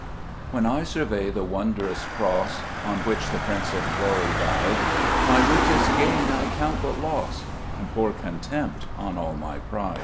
WHEN I survey the wondrous cross On which the Prince of glory died, My richest gain I count but loss, And pour contempt on all my pride.